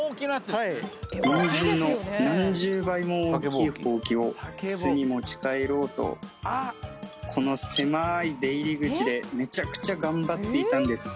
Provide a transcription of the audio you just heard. はいニンジンの何十倍も大きいホウキを巣に持ち帰ろうとこの狭い出入り口でめちゃくちゃがんばっていたんです